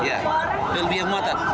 iya kelebihan muatan